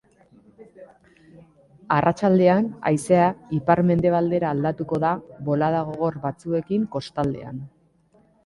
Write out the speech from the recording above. Arratsaldean haizea ipar-mendebaldera aldatuko da bolada gogor batzuekin kostaldean.